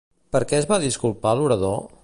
Per què es va disculpar l'orador?